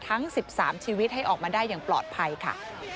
ทั้ง๑๓ชีวิตให้ออกมาได้อย่างปลอดภัยค่ะ